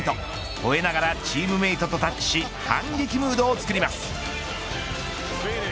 ほえながらチームメートとタッチし反撃ムードを作ります。